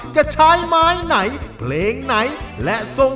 จะใช้ไม้ไหนเพลงไหน